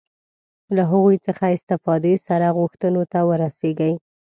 له هغوی څخه استفادې سره غوښتنو ته ورسېږي.